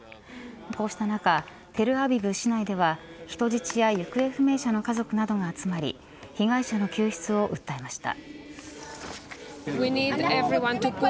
こうした中、テルアビブ市内では人質や行方不明者の家族などが集まり被害者の救出を訴えました。